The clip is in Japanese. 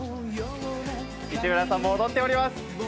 市村さんも踊っております。